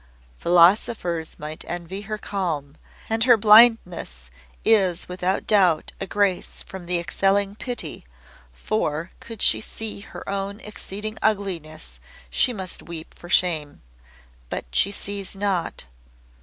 "Philosophers might envy her calm. And her blindness is without doubt a grace from the excelling Pity, for could she see her own exceeding ugliness she must weep for shame. But she sees not.